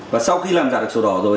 và sau khi làm giả được sổ đỏ rồi